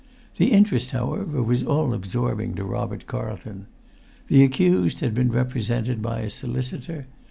The interest, however, was all absorbing to Robert Carlton. The accused had been represented by a solicitor.